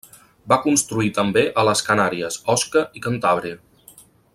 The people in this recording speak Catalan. Va construir també a les Canàries, Osca i Cantàbria.